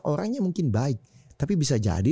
kebijakan yang mungkin baik tapi bisa jadi